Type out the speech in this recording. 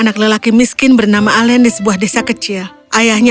kaki mu tidak sakit terlalu sering berjalan